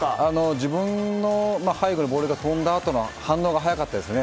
自分の背後にボールが飛んだ時の反応が早かったですね。